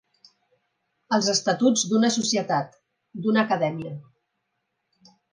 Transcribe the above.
Els estatuts d'una societat, d'una acadèmia.